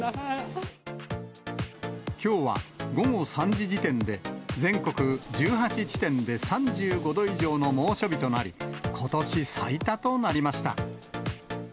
きょうは午後３時時点で、全国１８地点で３５度以上の猛暑日となり、ことし最多となりました。